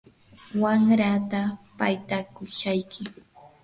wamrataa paytakushayki.